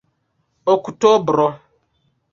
oktobro